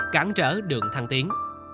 cán trở đường thăng tiến